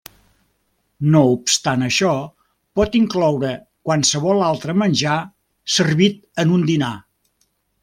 No obstant això, pot incloure qualsevol altre menjar servit en un dinar.